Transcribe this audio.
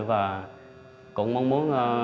và cũng mong muốn